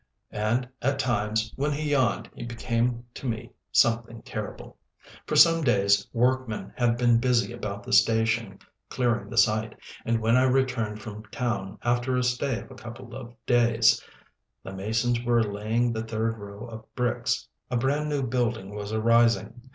And at times when he yawned he became to me something terrible. For some days workmen had been busy about the station clearing the site, and when I returned from town after a stay of a couple of days, the masons were laying the third row of bricks; a brand new building was arising.